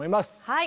はい。